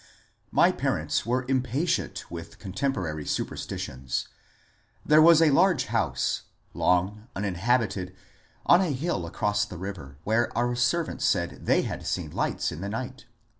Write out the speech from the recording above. My parents were impatient with contemporary superstitions. There was a large house, long uninhabited, on a hill across the river, where our servants said they had seen lights in the night.